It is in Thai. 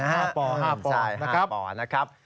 ห้าปอห้าปอห้าปอห้าปอนะครับ